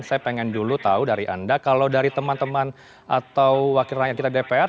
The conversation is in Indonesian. saya pengen dulu tahu dari anda kalau dari teman teman atau wakil rakyat kita dpr